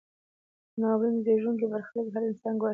دا ناورین زیږوونکی برخلیک هر انسان ګواښي.